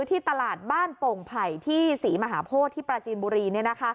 ที่ตลาดบ้านโป่งไผ่ที่ศรีมหาโพธิที่ปราจีนบุรี